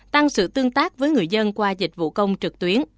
tăng sự tương tác với người dân qua dịch vụ công trực tuyến